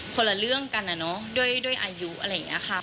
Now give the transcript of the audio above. คนละเรื่องกันอะเนาะด้วยอายุอะไรอย่างนี้ค่ะ